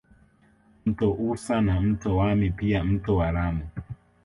Mto Usa na mto Wami pia mto Waramu